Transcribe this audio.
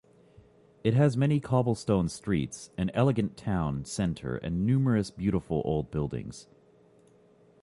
It has many cobblestoned streets, an elegant town center and numerous beautiful old buildings.